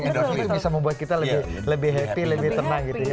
itu bisa membuat kita lebih happy lebih tenang gitu ya